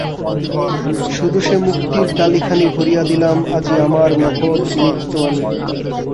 শুধু সে মুক্তির ডালিখানি ভরিয়া দিলাম আজি আমার মহৎ মৃত্যু আনি।